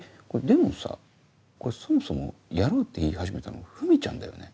でもさそもそも「やろう」って言い始めたのふみちゃんだよね？